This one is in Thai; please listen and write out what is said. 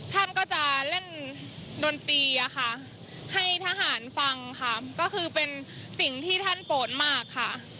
ท่านก็จะเล่นดนตรีอะค่ะให้ทหารฟังค่ะก็คือเป็นสิ่งที่ท่านโปรดมากค่ะ